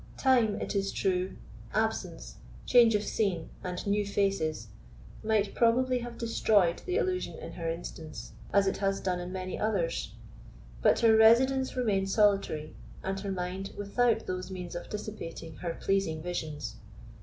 Time, it is true, absence, change of scene and new faces, might probably have destroyed the illusion in her instance, as it has done in many others; but her residence remained solitary, and her mind without those means of dissipating her pleasing visions.